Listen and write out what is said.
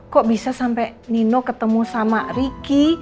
kok bisa sampai nino ketemu sama ricky